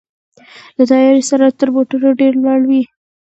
د طیارې سرعت تر موټرو ډېر لوړ وي.